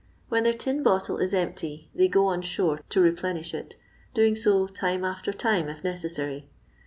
When their tin bottle is empty they go on shore to replenish it, doing so time after time if necessary.